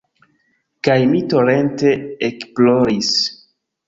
Kaj mi torente ekploris.